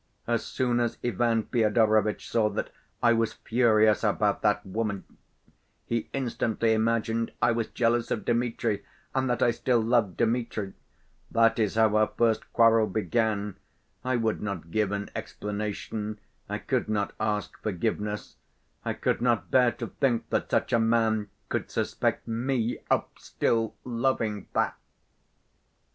"As soon as Ivan Fyodorovitch saw that I was furious about that woman, he instantly imagined I was jealous of Dmitri and that I still loved Dmitri. That is how our first quarrel began. I would not give an explanation, I could not ask forgiveness. I could not bear to think that such a man could suspect me of still loving that ...